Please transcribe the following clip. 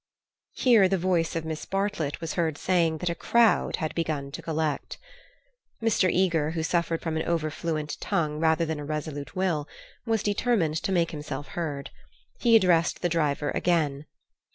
Here the voice of Miss Bartlett was heard saying that a crowd had begun to collect. Mr. Eager, who suffered from an over fluent tongue rather than a resolute will, was determined to make himself heard. He addressed the driver again.